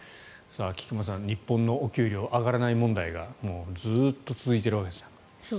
菊間さん、日本のお給料上がらない問題がずっと続いているわけですが。